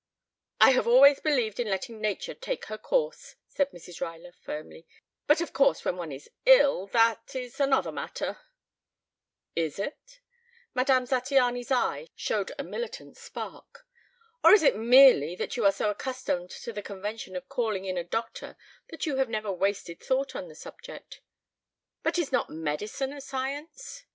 "I have always believed in letting nature take her course," said Mrs. Ruyler firmly. "But of course when one is ill, that is another matter " "Is it?" Madame Zattiany's eye showed a militant spark. "Or is it merely that you are so accustomed to the convention of calling in a doctor that you have never wasted thought on the subject? But is not medicine a science?